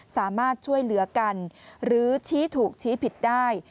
สามารถช่วยเหลือกันหรือชี้ถูกชี้ผิดได้